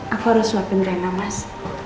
aku harus suapin rena mas